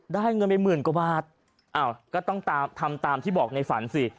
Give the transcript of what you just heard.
เงินไปหมื่นกว่าบาทอ้าวก็ต้องตามทำตามที่บอกในฝันสิ